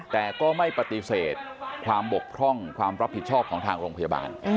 แต่ก็ไม่ปฏิเสธความบกพร่องความรับผิดชอบของทางโรงพยาบาล